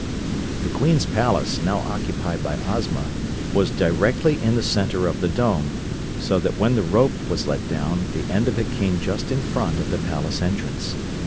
The Queen's palace, now occupied by Ozma, was directly in the center of the Dome, so that when the rope was let down the end of it came just in front of the palace entrance.